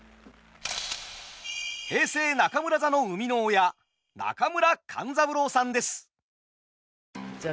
平成中村座の生みの親中村勘三郎さんです。